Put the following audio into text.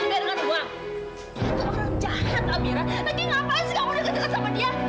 lagi ngapain sih kamu udah ketikap sama dia